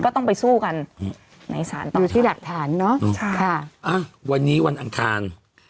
ก็ต้องไปสู้กันอืมในสารต่างต่างต่างอยู่ที่หลักฐานเนอะค่ะอ้าววันนี้วันอังคาร